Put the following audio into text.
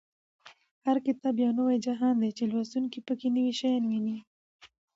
هر کتاب یو نوی جهان دی چې لوستونکی په کې نوي شیان ویني.